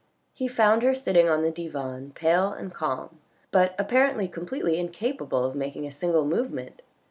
He found her sitting on the divan pale and calm, but apparently completely incapable of making a single movement.